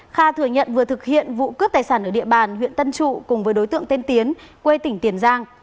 kha thừa nhận vừa thực hiện vụ cướp tài sản ở địa bàn huyện tân trụ cùng với đối tượng tên tiến quê tỉnh tiền giang